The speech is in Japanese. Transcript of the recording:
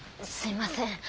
すいません。